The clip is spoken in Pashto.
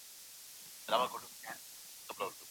ژوند مهم دی خو د هر دپاره نه .